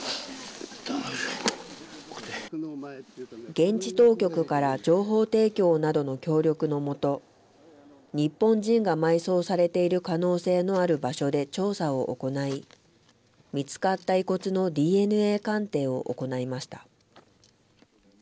現地当局から情報提供などの協力のもと、日本人が埋葬されている可能性のある場所で調査を行い、見つかった遺骨のＤＮＡ鑑定を行いました。